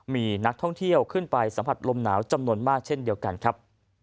มีนักท่องเที่ยวขึ้นไปสัมผัสลมหนาวจำนวนมากเช่นเดียวกันครับ